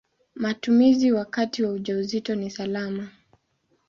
Matumizi wakati wa ujauzito ni salama.